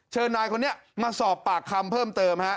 เชิญนายคนนี้มาสอบปากคำเพิ่มเติมฮะ